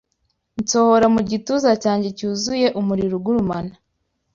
Nsohora mu gituza cyanjye cyuzuye umuriro ugurumana